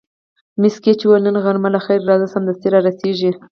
مس ګېج وویل: نن غرمه له خیره راځي، سمدستي را رسېږي.